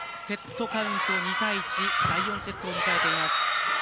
セットカウント２対１第４セットを迎えています。